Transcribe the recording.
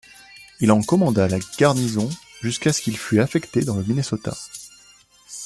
Il en commanda la garnison jusqu'à ce qu'il fut affecté dans le Minnesota.